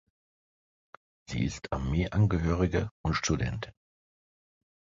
Sie ist Armeeangehörige und Studentin.